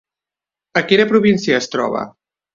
A quina província es troba?